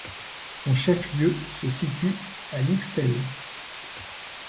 Son chef-lieu se situe à Lycksele.